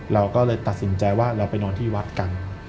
เราก็เลยตัดสินใจว่าเราไปนอนที่วัดกัน